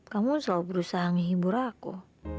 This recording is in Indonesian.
kamu selalu berusaha menghibur aku